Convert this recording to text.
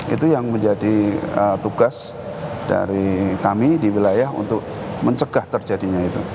itu yang menjadi tugas dari kami di wilayah untuk mencegah terjadinya itu